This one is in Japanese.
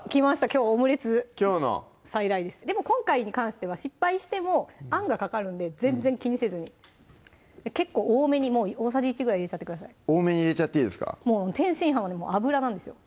きょうオムレツ再来ですでも今回に関しては失敗してもあんがかかるんで全然気にせずに結構多めにもう大さじ１ぐらい入れちゃってください多めに入れちゃっていいですかもう天津飯は油なんですよ